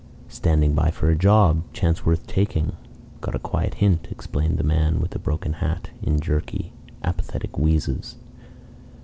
"Standing by for a job chance worth taking got a quiet hint," explained the man with the broken hat, in jerky, apathetic wheezes.